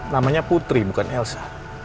namanya putri bukan elsa